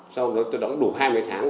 sau đó tôi đóng đủ hai mươi tháng